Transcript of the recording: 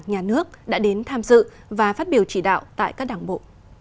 nhà nước đã đến tham dự và phát biểu chỉ đạo tại các đảng bộ